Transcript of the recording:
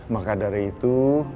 maka dari itu